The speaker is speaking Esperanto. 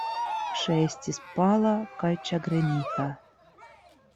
Ŝi estis pala kaj ĉagrenita.